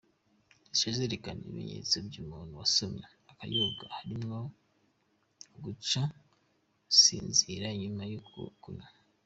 "Zica zerekana ibimenyetso vy'umuntu yasomye akayoga, harimwo guca zisinzira nyuma yo kunywa.